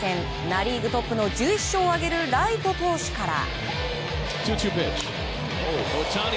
ナ・リーグトップの１１勝を挙げるライト投手から。